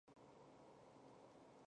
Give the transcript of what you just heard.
香港太空馆天文公园全天候开放。